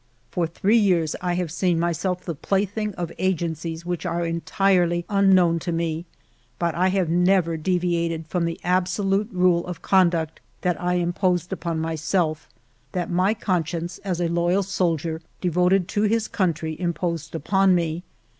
For three years I have seen myself the plaything of agencies which are en tirelv unknown to me, but I have never deviated from the absolute rule of conduct that I imposed upon myself; that my conscience as a loyal sol dier devoted to his country imposed upon me.